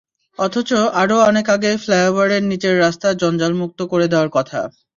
অথচ আরও অনেক আগেই ফ্লাইওভারের নিচের রাস্তা জঞ্জালমুক্ত করে দেওয়ার কথা।